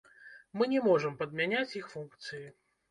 Мы не можам падмяняць іх функцыі!